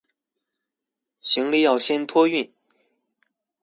行李要先托運